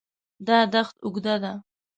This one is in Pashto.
دا دښت اوږده ده.